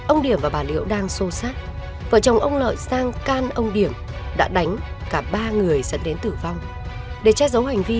ông điểm làm hỏi vì sao ông điểm và bà liễu hay xẩy ra xô xác